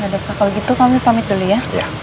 ya dek kalau gitu kami pamit dulu ya